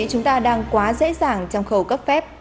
chúng ta đang quá dễ dàng trong khâu cấp phép